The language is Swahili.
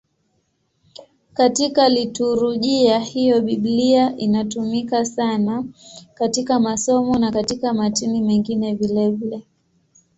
Katika liturujia hiyo Biblia inatumika sana katika masomo na katika matini mengine vilevile.